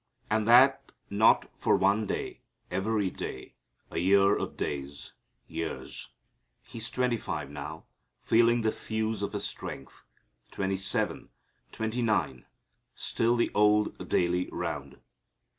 And that not for one day, every day, a year of days years. He's twenty five now, feeling the thews of his strength; twenty seven, twenty nine, still the old daily round.